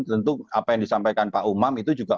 tentu apa yang disampaikan pak umam itu juga